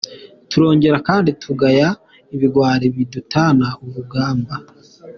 Turongera kandi kugaya ibigwari bidutana urugamba.